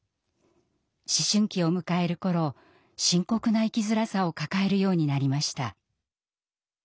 思春期を迎える頃深刻な生きづらさを抱えるようになりました。